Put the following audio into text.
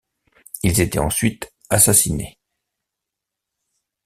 Ils étaient ensuite assassinés.